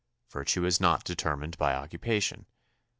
Virtue is not determined by occupa tion.